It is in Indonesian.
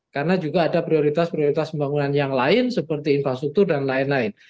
karena juga ada prioritas prioritas pembangunan yang lain seperti infrastruktur dan lain lain